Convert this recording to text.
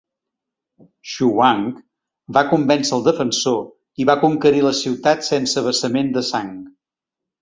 Xu Huang va convèncer el defensor i va conquerir la ciutat sense vessament de sang.